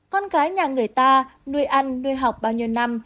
con gái nhà người ta nuôi ăn nuôi học bao nhiêu năm